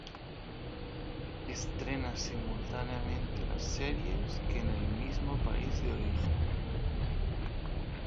Estrena simultáneamente las series que en el mismo país de origen.